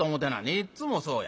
いっつもそうや。